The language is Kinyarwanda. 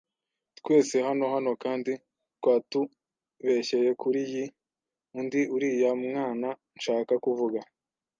twese hano hano kandi twatubeshyeye kuriyi; undi uriya mwana nshaka kuvuga